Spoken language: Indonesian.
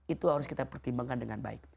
itu harus kita pertimbangkan dengan baik